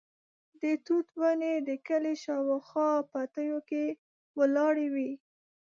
د توت ونې د کلي شاوخوا پټیو کې ولاړې وې.